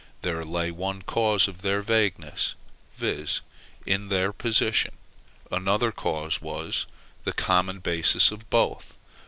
There lay one cause of their vagueness, viz. in their position. Another cause was, the common basis of both.